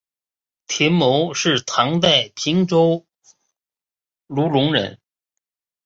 田牟是唐代平州卢龙人。